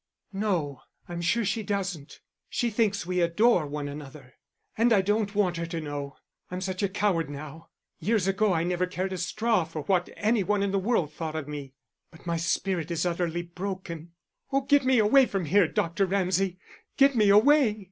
"No, I'm sure she doesn't. She thinks we adore one another. And I don't want her to know. I'm such a coward now. Years ago I never cared a straw for what any one in the world thought of me; but my spirit is utterly broken. Oh, get me away from here, Dr. Ramsay, get me away."